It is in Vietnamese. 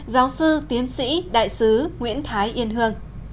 giáo sư tiến sĩ đại sứ nguyễn thái yên hương